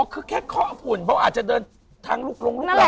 อ๋อคือแค่ข้ออฝุ่นเขาอาจจะเดินทางลูกลงลูกล่างมา